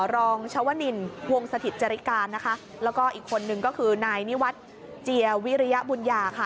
รองชวนินวงสถิตจริการนะคะแล้วก็อีกคนนึงก็คือนายนิวัฒน์เจียวิริยบุญญาค่ะ